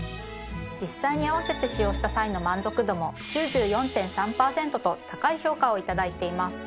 実際に併せて使用した際の満足度も９４．３％と高い評価を頂いています。